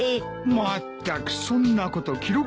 まったくそんなこと記録せんでいい。